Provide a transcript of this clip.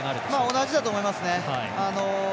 同じだと思いますね。